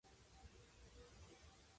テスト合格したよ